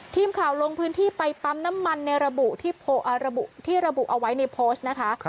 ทีมข่าวลงพื้นที่ไปปั๊มน้ำมันในระบุที่ระบุเอาไว้ในโพสต์นะคะ